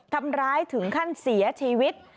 ทำร้ายถึงขั้นเสียชีวิต